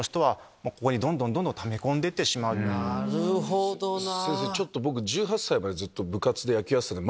なるほどなぁ！